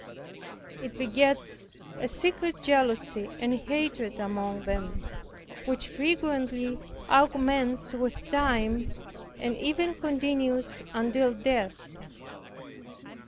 It begets a secret jealousy and hatred among them, which frequently augments with time, and even continues until death.